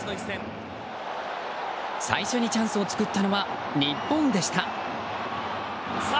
最初にチャンスを作ったのは日本でした。